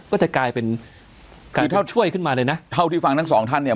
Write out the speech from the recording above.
ก็จะกลายเป็นคือถ้าช่วยขึ้นมาเลยนะเท่าที่ฟังทั้งสองท่านเนี่ย